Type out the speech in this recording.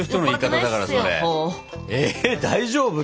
え大丈夫？